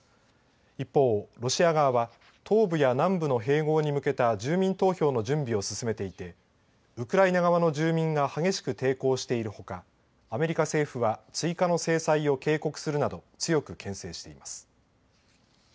一方、ロシア側は東部や南部の併合に向けた住民投票の準備を進めていてウクライナ側の住民が激しく抵抗しているほかアメリカ政府は追加の制裁を警告するなど強くけん制しています。